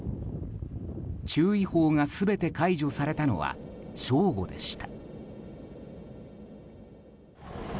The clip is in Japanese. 注意報が全て解除されたのは正午でした。